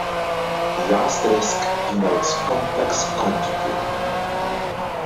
The asterisk denotes complex conjugate.